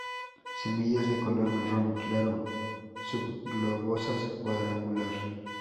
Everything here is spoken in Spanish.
Semillas de color marrón claro, subglobosas cuadrangular.